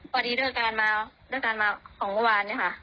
พอดีด้วยการมาของกลัววานนี่ค่ะ